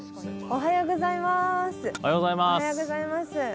おはようございます。